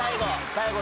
最後。